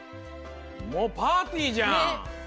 もうパーティーじゃん！